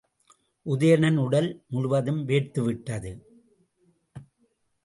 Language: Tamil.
உதயணனுக்கு உடல் முழுதும் வேர்த்துவிட்டது.